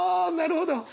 なるほど。